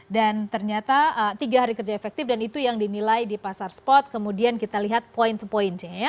dan ternyata tiga hari kerja efektif dan itu yang dinilai di pasar spot kemudian kita lihat point to point